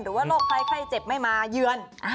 หรือว่าโรคภัยไข้เจ็บไม่มายืน